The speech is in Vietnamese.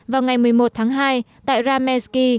vào ngày một mươi một tháng hai tại rameski